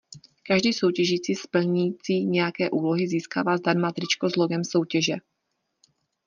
Každý soutěžíci splnící nějaké úlohy získává zdarma tričko s logem soutěže.